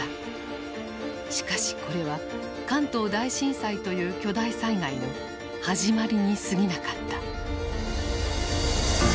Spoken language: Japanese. しかしこれは関東大震災という巨大災害の始まりにすぎなかった。